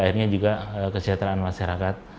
akhirnya juga kesejahteraan masyarakat